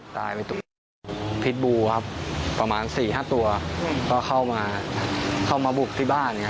ตายไปตรงนี้พิษบูครับประมาณ๔๕ตัวก็เข้ามาเข้ามาบุกที่บ้าน